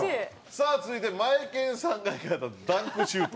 さあ続いてマエケンさんが描いたダンクシュート。